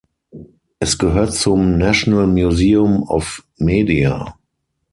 Es gehört zum "National Museum of Media".